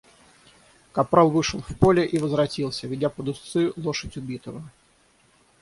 Капрал вышел в поле и возвратился, ведя под уздцы лошадь убитого.